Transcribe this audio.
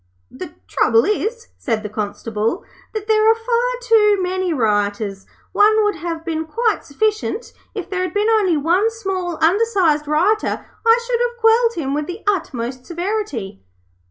'The trouble is,' said the Constable, 'that there are far too many rioters. One would have been quite sufficient. If there had been only one small undersized rioter, I should have quelled him with the utmost severity.'